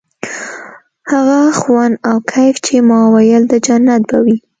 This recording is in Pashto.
هغه خوند او کيف چې ما ويل د جنت به وي.